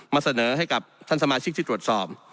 มาเสนอให้กับท่านสมาชิกที่ตรวจสอบ